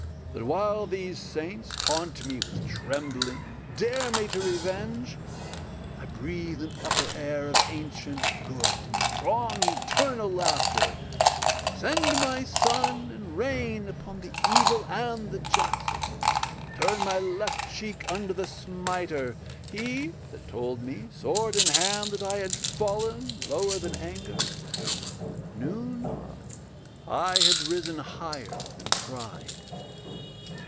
That while these saints Taunt me with trembling, dare me to revenge, I breathe an upper air of ancient good And strong eternal laughter; send my sun And rain upon the evil and the just, Turn my left cheek unto the smiter. He That told me, sword in hand, that I had fallen Lower than anger, knew not I had risen Higher than pride....